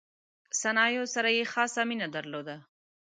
صنایعو سره یې خاصه مینه درلوده.